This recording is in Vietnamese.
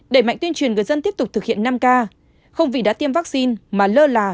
đẩy mạnh tuyên truyền người dân tiếp tục thực hiện năm k không vì đã tiêm vaccine mà lơ là